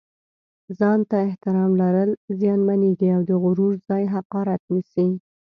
ځان ته احترام لرل زیانمېږي او د غرور ځای حقارت نیسي.